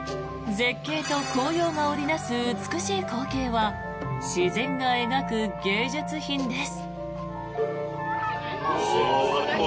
絶景と紅葉が織りなす美しい光景は自然が描く芸術品です。